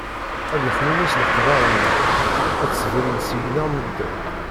Ad yexnunes leqder-nneɣ, ad d-sberrin seg-neɣ medden.